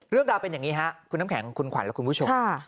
เรื่องราวเป็นอย่างนี้ครับคุณน้ำแข็งคุณขวัญและคุณผู้ชม